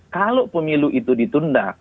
kalau pemilu itu ditunda